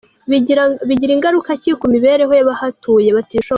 Bigira ngaruka ki ku mibereho y’abahatuye batishoboye?.